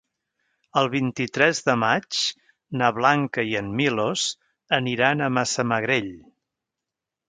El vint-i-tres de maig na Blanca i en Milos aniran a Massamagrell.